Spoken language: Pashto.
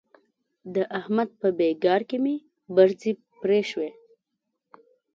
د احمد په بېګار کې مې برځې پرې شوې.